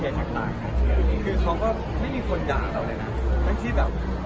คือเขาก็ไม่มีคนหย่างเพราะว่าพบกันมา๗ปีแล้ว